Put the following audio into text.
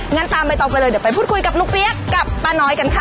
งั้นตามใบตองไปเลยเดี๋ยวไปพูดคุยกับลุงเปี๊ยกกับป้าน้อยกันค่ะ